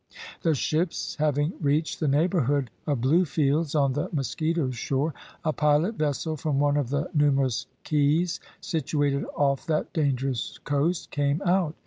The ships having reached the neighbourhood of Bluefields on the Mosquito shore, a pilot vessel from one of the numerous keys situated off that dangerous coast came out.